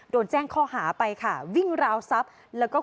โดนแจ้งข้อหาไปค่ะวิ่งราวซับแล้วก็คุมตัว